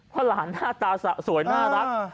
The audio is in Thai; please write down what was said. เพราะหลานหน้าตาสะสวยน่ารัก